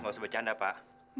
nggak usah bercanda pak